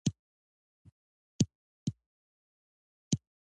په افغانستان کې پابندي غرونه د خلکو لپاره ډېر اهمیت لري.